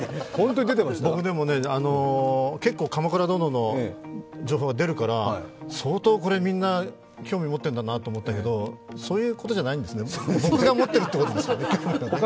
僕でもね、結構「鎌倉殿」の情報が出るから相当みんな興味持っているんだなと思ったけど、そういうことじゃないんですね、僕が持ってるということですね、興味をね。